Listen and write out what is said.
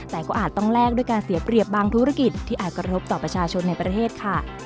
แต่ก็อาจต้องแลกด้วยการเสียเปรียบบางธุรกิจที่อาจกระทบต่อประชาชนในประเทศค่ะ